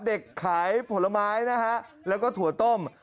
ขายผลไม้นะฮะแล้วก็ถั่วต้ม